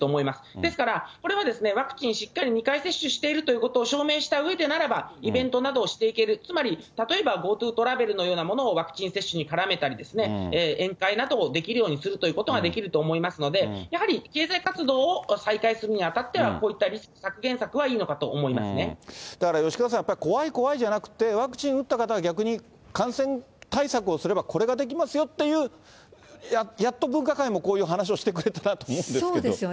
ですからこれはワクチンしっかり２回接種しているということを証明したうえでならば、イベントなどをしていける、つまり例えばＧｏＴｏトラベルのようなものをワクチン接種に絡めたり、宴会などをできるようにするということができると思いますので、やはり経済活動を再開するにあたっては、こういったリスク削減策だから吉川さん、やっぱり怖い怖いじゃなくて、ワクチン打った方は逆に感染対策をすればこれができますよっていう、やっと分科会もこういう話をしてくれたなと思うんですけど。